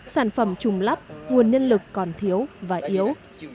sản phẩm trùng lắp nguồn nhân lực còn thiếu và yếu